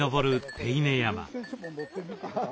手稲山。